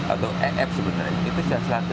atau mf sebenarnya itu satu ratus delapan puluh enam